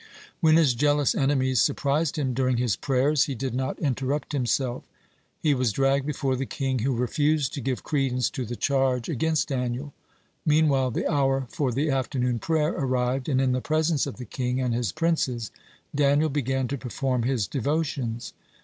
When his jealous enemies surprised him during his prayers, he did not interrupt himself. He was dragged before the king, who refused to give credence to the charge against Daniel. Meanwhile the hour for the afternoon prayer arrived, and in the presence of the king and his princes Daniel began to perform his devotions.